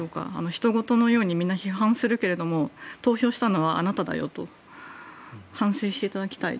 ひとごとのようにみんな批判するんだけども投票したのは、あなただよと反省していただきたい。